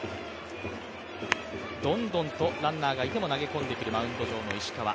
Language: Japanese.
どんどんとランナーがいても投げ込んでくる、マウンド上の石川。